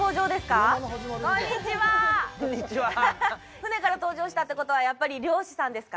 船から登場したってことは、やっぱり漁師さんですか？